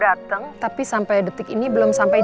resurface kali dateng tapi sampai detik ini belum sampai juga